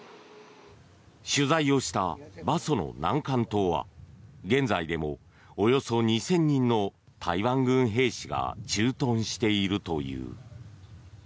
取材をした馬祖の南竿島は現在でもおよそ２０００人の台湾軍兵士が駐屯しているという。